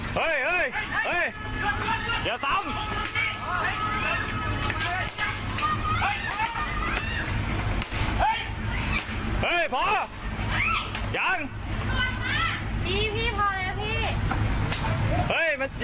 เฮ้ยเฮ้ยเฮ้ย